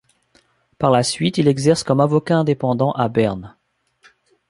Par la suite, il exerce comme avocat indépendant à Berne.